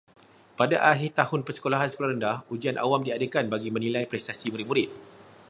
Pada akhir tahun persekolahan sekolah rendah, ujian awam diadakan bagi menilai prestasi murid-murid.